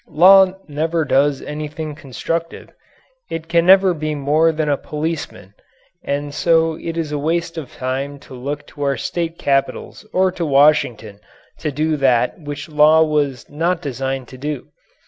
Law never does anything constructive. It can never be more than a policeman, and so it is a waste of time to look to our state capitals or to Washington to do that which law was not designed to do.